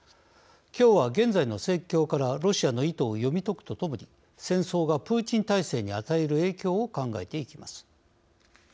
きょうは現在の戦況からロシアの意図を読み解くとともに戦争がプーチン体制に与える影響を考えていきます。